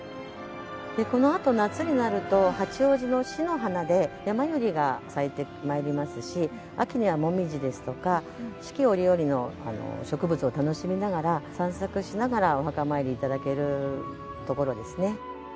このあと夏になると八王子の市の花でヤマユリが咲いてまいりますし秋にはモミジですとか四季折々の植物を楽しみながら散策しながらお墓参り頂ける所ですね。